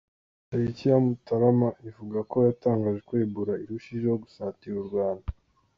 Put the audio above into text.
tariki ya Mutarama, ivuga ko yatangaje ko Ebola irushijeho gusatira u Rwanda.